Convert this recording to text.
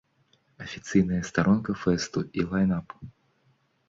Афіцыйная старонка фэсту і лайн-ап.